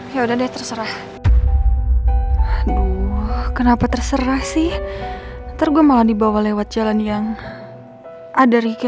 ya udah deh terserah aduh kenapa terserah sih nanti gue malah dibawa lewat jalan yang ada riki